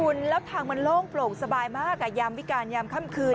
คุณแล้วทางมันโล่งโปร่งสบายมากยามวิการยามค่ำคืน